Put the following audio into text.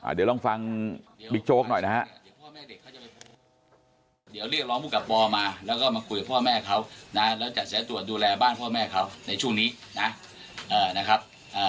เดี๋ยวลองฟังบิ๊กโจ๊กหน่อยนะครับ